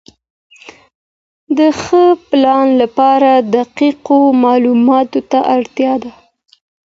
د ښه پلان لپاره دقیقو معلوماتو ته اړتیا ده.